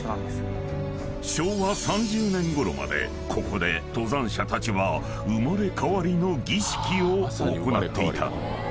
［昭和３０年ごろまでここで登山者たちは生まれ変わりの儀式を行っていた］